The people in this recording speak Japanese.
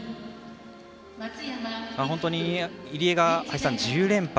本当に入江が林さん、１０連覇。